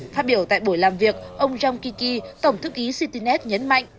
phát biểu tại buổi làm việc ông jong kiki tổng thư ký citynet nhấn mạnh